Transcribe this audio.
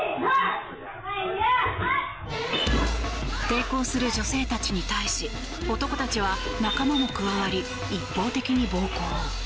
抵抗する女性たちに対し男たちは仲間も加わり一方的に暴行。